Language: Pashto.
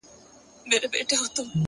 ستا د ږغ څــپــه ؛ څـپه ؛څپــه نـه ده؛